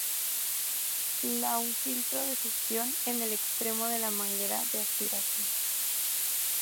La un filtro de succión en el extremo de la manguera de aspiración.